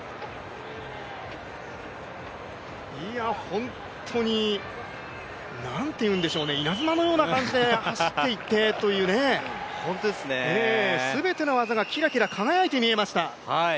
本当に稲妻のような感じで走っていってというね、全ての技がキラキラ輝いて見えました。